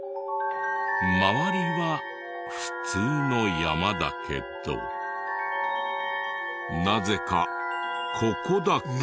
周りは普通の山だけどなぜかここだけ。